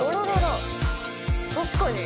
確かに。